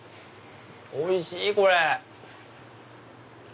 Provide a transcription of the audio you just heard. おいしいこれ！